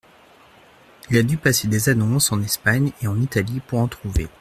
Il a dû passer des annonces en Espagne et en Italie pour en trouver.